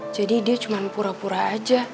dia cuma pura pura aja